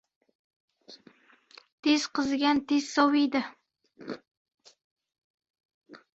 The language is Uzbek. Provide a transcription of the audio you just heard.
• Tez qizigan tez soviydi.